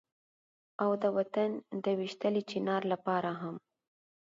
او د وطن د ويشتلي چينار لپاره هم